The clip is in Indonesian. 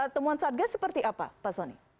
temuan satgas seperti apa pak soni